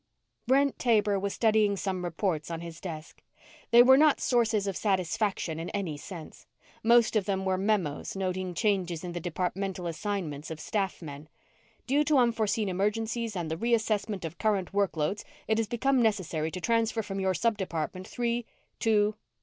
Brent Taber was studying some reports on his desk. They were not sources of satisfaction in any sense. Most of them were memos noting changes in the departmental assignments of staff men: _Due to unforeseen emergencies and the reassessment of current workloads it has become necessary to transfer from your subdepartment three ... two